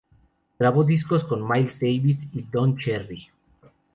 Grabó discos con Miles Davis y Don Cherry.